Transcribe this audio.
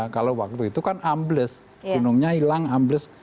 kalau waktu itu kan ambles gunungnya hilang ambles